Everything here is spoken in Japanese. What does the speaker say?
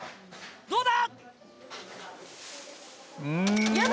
どうだ？